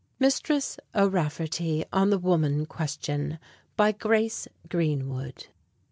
MISTRESS O'RAFFERTY ON THE WOMAN QUESTION. BY GRACE GREENWOOD.